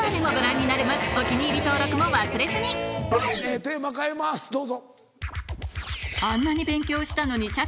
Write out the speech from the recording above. ッテーマ変えますどうぞ。